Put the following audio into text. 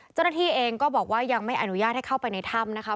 เจ้าหน้าที่เองก็บอกว่ายังไม่อนุญาตให้เข้าไปในถ้ำนะคะ